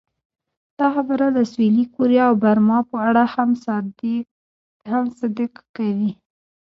دا خبره د سویلي کوریا او برما په اړه هم صدق کوي.